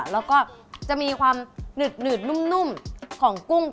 แล้วก็จะมีความหนึบนุ่มของกุ้ง